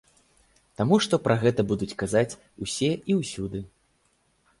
Таму што пра гэта будуць казаць усе і ўсюды.